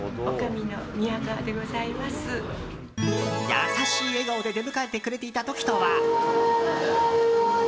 優しい笑顔で出迎えてくれていた時とは。